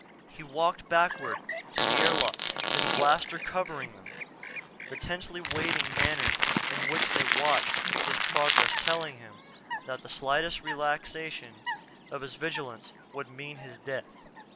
He walked backward to the airlock, his blaster covering them, the tensely waiting manner in which they watched his progress telling him that the slightest relaxation of his vigilance would mean his death.